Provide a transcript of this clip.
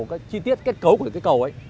chi tiết kết cấu của cái cầu ấy